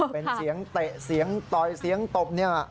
เป็นเสียงเตะเสียงต่อยเสียงตบเนี่ย